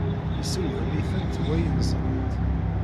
Yessewhem-itent wayen ẓrant.